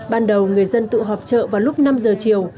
ban đầu người dân tự họp chợ vào lúc năm giờ chiều